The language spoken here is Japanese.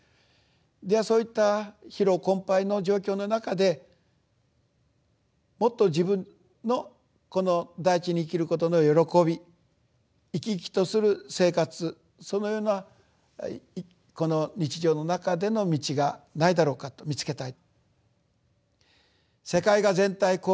ではそういった疲労困ぱいの状況の中でもっと自分のこの大地に生きることの喜び生き生きとする生活そのようなこの日常の中での道がないだろうかと見つけたい。